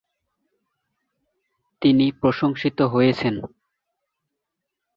তিনি প্রশংসিত হয়েছেন।